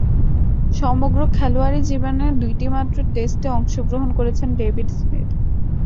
সমগ্র খেলোয়াড়ী জীবনে দুইটিমাত্র টেস্টে অংশগ্রহণ করেছেন ডেভিড স্মিথ।